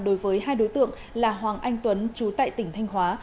đối với hai đối tượng là hoàng anh tuấn chú tại tỉnh thanh hóa